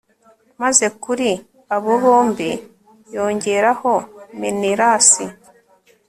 maze kuri abo bombi yongeraho menelasi